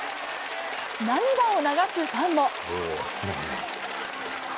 涙を流すファンも。